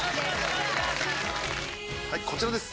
はいこちらです。